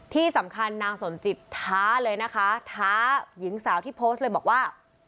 ที่สำคัญนางสมจิตท้าเลยนะคะท้าหญิงสาวที่โพสต์เลยบอกว่า